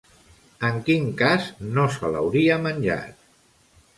En quin cas no se l'hauria menjat?